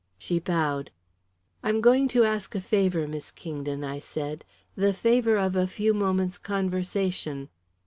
She bowed. "I'm going to ask a favour, Miss Kingdon," I said, "the favour of a few moments' conversation."